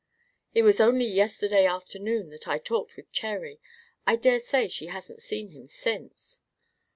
"It was only yesterday afternoon that I talked with Cherry. I dare say she hasn't seen him since."